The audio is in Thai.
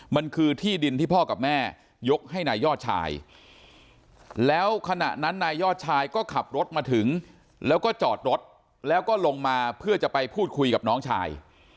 มันคือที่ดินที่พ่อกับแม่ยกให้นายยอดชายแล้วขณะนั้นนายยอดชายก็ขับรถมาถึงแล้วก็จอดรถแล้วก็ลงมาเพื่อจะไปพูดคุยกับน้องชาย